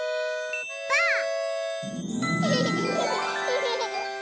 ばあっ！